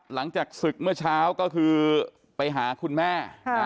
หลังจากศึกเมื่อเช้าก็คือไปหาคุณแม่